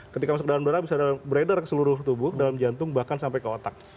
ketika masuk ke dalam darah bisa beredar ke seluruh tubuh dalam jantung bahkan sampai ke otak